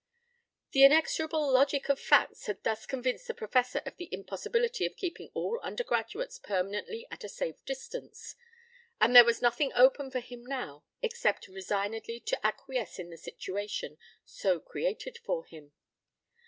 p> The inexorable logic of facts had thus convinced the Professor of the impossibility of keeping all undergraduates permanently at a safe distance: and there was nothing open for him now except resignedly to acquiesce in the situation so created for him.